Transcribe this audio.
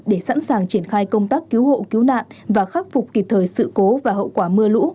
để sẵn sàng triển khai công tác cứu hộ cứu nạn và khắc phục kịp thời sự cố và hậu quả mưa lũ